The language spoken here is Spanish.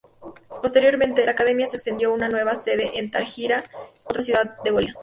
Posteriormente, la academia se extendió una nueva sede en Tarija, otra ciudad de Bolivia.